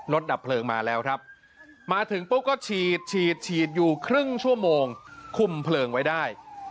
ดับเพลิงมาแล้วครับมาถึงปุ๊บก็ฉีดฉีดอยู่ครึ่งชั่วโมงคุมเพลิงไว้ได้